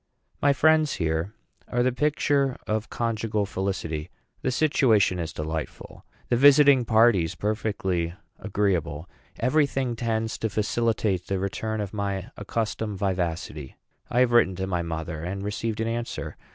My friends here are the picture of conjugal felicity. The situation is delightful the visiting parties perfectly agreeable. Every thing tends to facilitate the return of my accustomed vivacity. I have written to my mother, and received an answer.